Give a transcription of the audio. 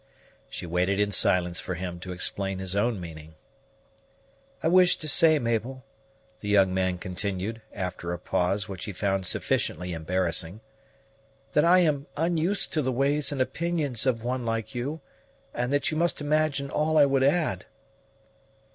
She waited in silence for him to explain his own meaning. "I wish to say, Mabel," the young man continued, after a pause which he found sufficiently embarrassing, "that I am unused to the ways and opinions of one like you, and that you must imagine all I would add."